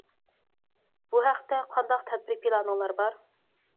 بۇ ھەقتە قانداق تەدبىر-پىلانىڭلار بار؟ !